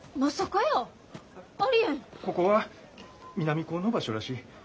ここは南高の場所らしい。